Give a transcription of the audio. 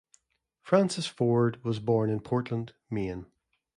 Francis Ford was born in Portland, Maine.